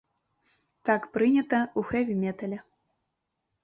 Так прынята ў хэві-метале!